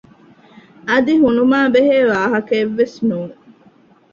އަދި ހުނުމާބެހޭ ވާހަކައެއްވެސް ނޫން